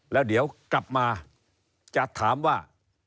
แล้วเดี๋ยวกลับมาจะถามว่า